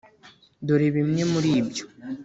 Dore bimwe muri ibyo